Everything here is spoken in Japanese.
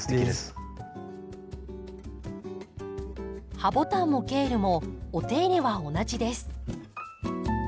ハボタンもケールもお手入れは同じです。